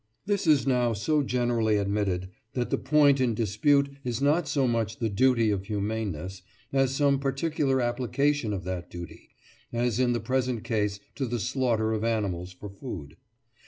This is now so generally admitted that the point in dispute is not so much the duty of humaneness, as some particular application of that duty, as in the present case to the slaughter of animals for food.